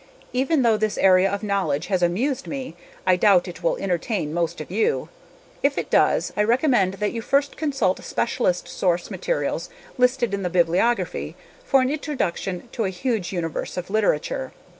Even though this area of knowledge has amused me, I doubt it will entertain most of you. If it does, I recommend that you first consult specialist source materials listed in the bibliography for an introduction to a huge universe of literature.